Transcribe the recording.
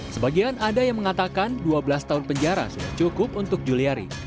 sebagian ada yang mengatakan dua belas tahun penjara sudah cukup untuk juliari